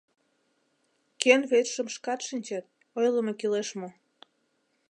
— Кӧн верчшым шкат шинчет, ойлымо кӱлеш мо?..